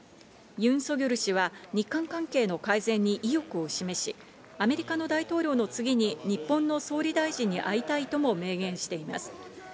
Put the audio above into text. ユン・ソギョル氏は日韓関係の改善に意欲を示し、アメリカの大統領の次に日本の総理大臣に会いたいとも明言しています。